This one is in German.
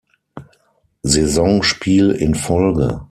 Saisonspiel in Folge.